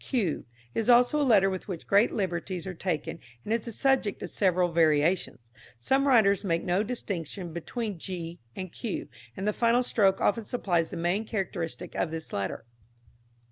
q is also a letter with which great liberties are taken, and is the subject of several variations. Some writers make no distinction between g and q, and the final stroke often supplies the main characteristic of this letter.